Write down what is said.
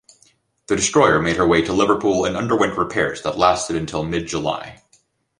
The destroyer made her way to Liverpool and underwent repairs that lasted until mid-July.